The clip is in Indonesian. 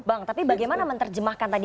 bang tapi bagaimana menerjemahkan tadi